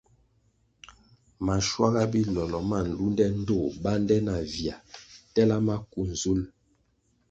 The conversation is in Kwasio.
Maschuaga bilolo ma nlunde ndtoh bande navia tela maku nzul.